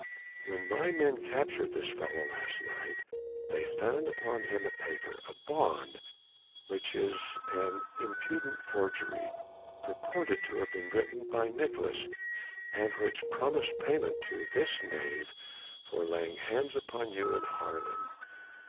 "When my men captured this fellow last night, they found upon him a paper a bond which is an impudent forgery purported to have been written by Nicolaes and which promised payment to this knave for laying hands upon you in Haarlem."